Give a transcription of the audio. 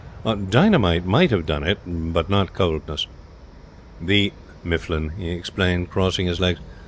Dynamite might have done it, but not coldness. 'The Mifflin,' he explained, crossing his legs.